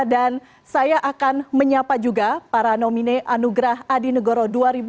saya akan menyapa juga para nomine anugerah adi negoro dua ribu dua puluh